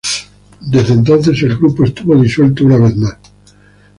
Desde entonces, el grupo estuvo disuelto una vez más.